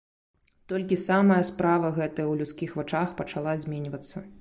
Толькі самая справа гэтая ў людскіх вачах пачала зменьвацца.